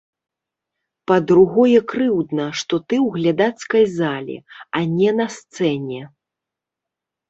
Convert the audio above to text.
Па-другое, крыўдна, што ты ў глядацкай зале, а не на сцэне.